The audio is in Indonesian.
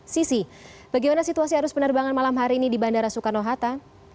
sisi bagaimana situasi arus penerbangan malam hari ini di bandara soekarno hatta